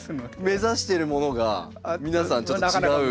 目指してるものが皆さんちょっと違う。